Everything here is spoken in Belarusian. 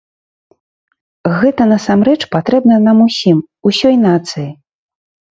Гэта насамрэч патрэбна нам усім, усёй нацыі.